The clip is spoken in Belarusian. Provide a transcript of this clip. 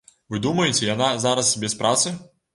Вы думаеце, яна зараз без працы?